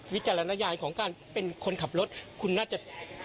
วิจารณญาณของการเป็นคนขับรถคุณน่าจะ